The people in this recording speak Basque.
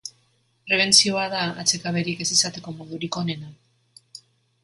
Prebentzioa da atsekaberik ez izateko modurik onena.